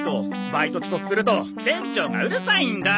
バイト遅刻すると店長がうるさいんだ！